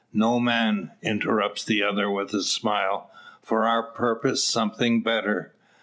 "No man," interrupts the other with a smile. "For our purpose something better.